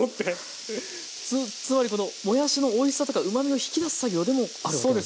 つまりこのもやしのおいしさとかうまみを引き出す作業でもあるわけ。